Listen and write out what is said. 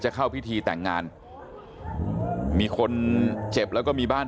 เข้าพิธีแต่งงานมีคนเจ็บแล้วก็มีบ้าน